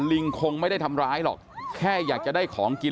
ลิงคงไม่ได้ทำร้ายหรอกแค่อยากจะได้ของกิน